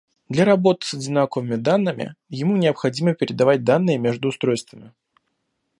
Для работы с одинаковыми данными, ему необходимо передавать данные между устройствами